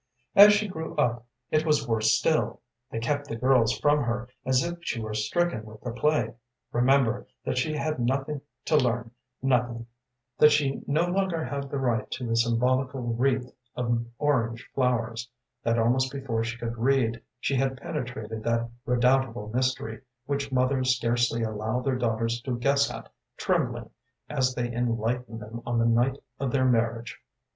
“As she grew up, it was worse still. They kept the girls from her, as if she were stricken with the plague. Remember that she had nothing to learn, nothing; that she no longer had the right to the symbolical wreath of orange flowers; that almost before she could read she had penetrated that redoubtable mystery which mothers scarcely allow their daughters to guess at, trembling as they enlighten them on the night of their marriage.